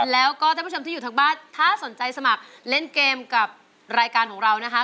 แล้วก็ท่านผู้ชมที่อยู่ทางบ้านถ้าสนใจสมัครเล่นเกมกับรายการของเรานะคะ